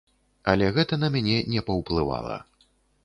Але гэта на мяне не паўплывала.